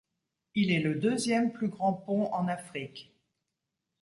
Il est le deuxième plus grand pont en Afrique.